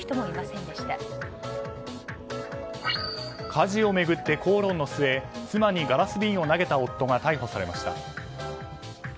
家事を巡って口論の末妻にガラス瓶を投げた夫が逮捕されました。